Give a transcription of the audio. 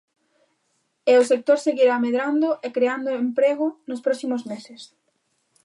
E o sector seguirá medrando e creando emprego nos próximos meses.